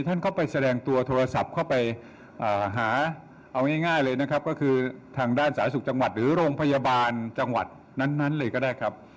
ท่านเข้าไปแสดงตัวโทรศัพท์เข้าไปหาเอาง่ายเลยนะครับก็คือทางด้านสาธารณสุขจังหวัดหรือโรงพยาบาลจังหวัดนั้นเลยก็ได้ครับ